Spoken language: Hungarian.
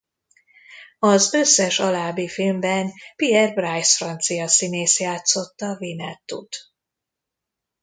Az összes alábbi filmben Pierre Brice francia színész játszotta Winnetout.